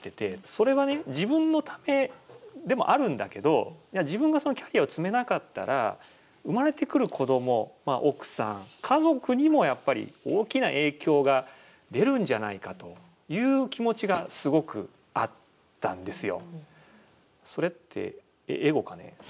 それはね自分のためでもあるんだけどいや、自分がそのキャリアを積めなかったら生まれてくる子ども、奥さん家族にも、やっぱり大きな影響が出るんじゃないかという気持ちがすごくあったんですよ。